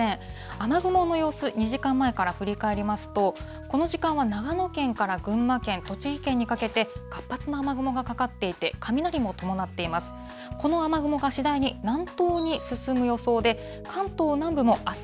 雨雲の様子、２時間前から振り返りますと、この時間は長野県から群馬県、栃木県にかけて、活発な雨雲がかかっていて、雷も伴っています。